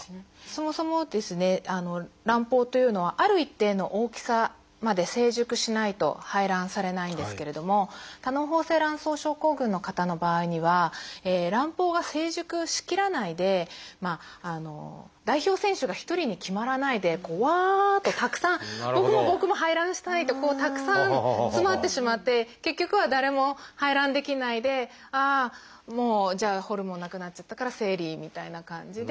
そもそもですね卵胞というのはある一定の大きさまで成熟しないと排卵されないんですけれども多嚢胞性卵巣症候群の方の場合には卵胞が成熟しきらないで代表選手が一人に決まらないでうわとたくさん「僕も僕も排卵したい」とたくさん詰まってしまって結局は誰も排卵できないで「ああもうじゃあホルモンなくなっちゃったから生理」みたいな感じで。